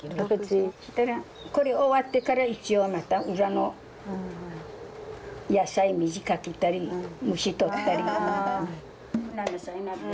これ終わってからまた裏の野菜水かけたり虫取ったり。